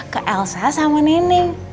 ke elsa sama neneng